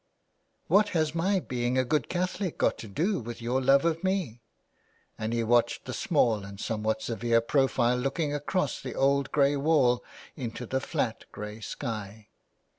" What has my being a good Catholic got to do with your love of me?" And he watched the small and somewhat severe profile looking across the old grey wall into the flat grey sky.